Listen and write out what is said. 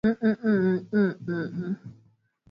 Tangu mwaka elfu moja mia tisa hamsini na mbili